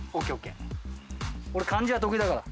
俺漢字は得意だから。